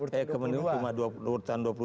kayak kemenuhan hurtan dua puluh dua